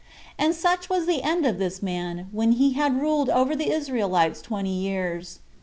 And such was the end of this man, when he had ruled over the Israelites twenty years.